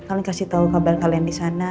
kalian kasih tahu kabar kalian disana